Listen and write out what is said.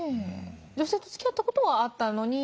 女性とつきあった事はあったのに